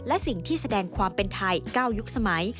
และสิ่งที่แสดงความเป็นไทย๙ยุคสมัย